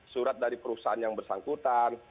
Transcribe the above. surat dari perusahaan yang bersangkutan